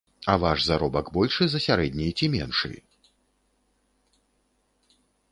А ваш заробак большы за сярэдні ці меншы?